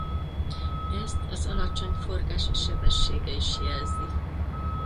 Ezt az alacsony forgási sebessége is jelzi.